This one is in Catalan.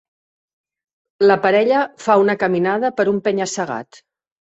La parella fa una caminada per un penya-segat.